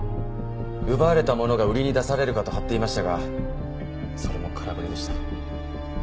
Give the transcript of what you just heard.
奪われたものが売りに出されるかと張っていましたがそれも空振りでした。